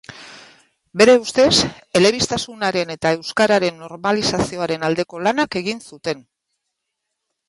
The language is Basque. Bere ustez, elebistasunaren eta euskararen normalizazioaren aldeko lana egin zuten.